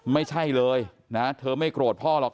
ไม่ใช่เลยนะเธอไม่โกรธพ่อหรอก